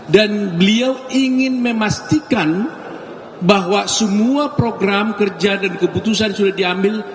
dan beliau ingin memastikan bahwa semua program kerja dan keputusan sudah diambil